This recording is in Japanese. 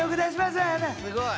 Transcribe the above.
すごい。